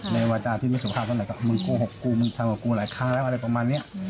วาจาที่ไม่สุภาพตั้งแต่มึงโกหกกูมึงทำกับกูหลายครั้งแล้วอะไรประมาณนี้